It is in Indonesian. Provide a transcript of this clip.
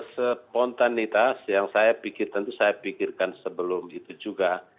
spontanitas yang saya pikir tentu saya pikirkan sebelum itu juga